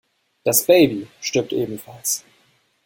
Das Baby stirbt ebenfalls.